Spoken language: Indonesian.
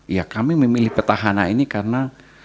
ya kami memilih petahana ini karena